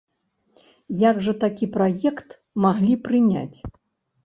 Як жа такі праект маглі прыняць?